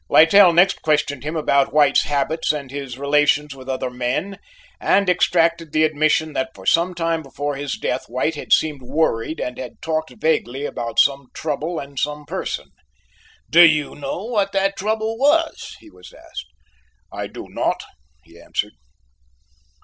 Littell next questioned him about White's habits and his relations with other men, and extracted the admission that for some time before his death White had seemed worried and had talked vaguely about some trouble and some person. "Do you know what that trouble was?" he was asked. "I do not," he answered.